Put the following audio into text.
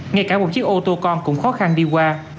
ngay cả một chiếc ô tô con cũng khó khăn đi qua